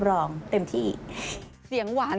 ไปที่ชอบ